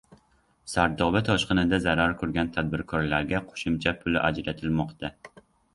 Sardoba toshqinida zarar ko‘rgan tadbirkorlarga qo‘shimcha pul ajratilmoqda